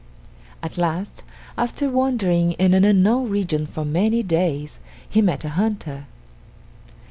At last, after wandering in an unknown region for many days, he met a hunter.